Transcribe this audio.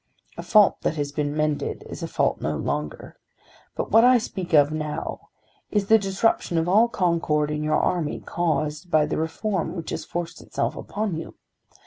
A fault that has been mended is a fault no longer. But what I speak of now is the disruption of all concord in your army caused by the reform which has forced itself upon you.